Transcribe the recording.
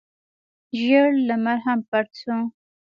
ژړ لمر هم پټ شو.